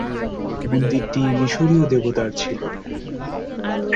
মন্দিরটি মিশরীয় দেবতার ছিল।